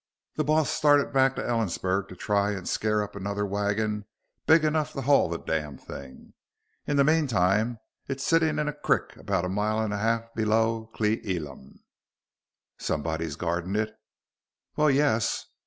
"The boss started back to Ellensburg to try and scare up another wagon big enough to haul the damn thing. In the meantime it's setting in a crick about a mile and a half below Cle Elum." "Somebody's guarding it?" "Well, yes.